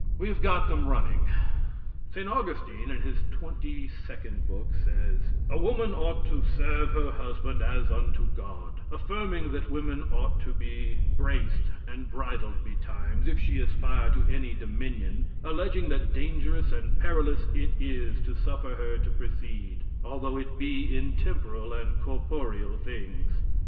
We have got them running. St. Augustine in his 22d book says: "A woman ought to serve her husband as unto God, affirming that woman ought to be braced and bridled betimes, if she aspire to any dominion, alleging that dangerous and perilous it is to suffer her to precede, although it be in temporal and corporeal things.